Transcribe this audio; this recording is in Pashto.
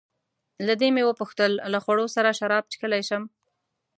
له دې مې وپوښتل: له خوړو سره شراب څښلای شم؟